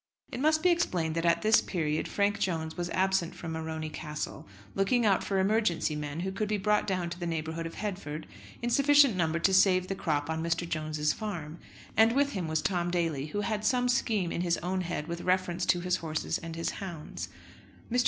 It must be explained that at this period Frank Jones was absent from Morony Castle, looking out for emergency men who could be brought down to the neighbourhood of Headford, in sufficient number to save the crop on Mr. Jones's farm. And with him was Tom Daly, who had some scheme in his own head with reference to his horses and his hounds. Mr.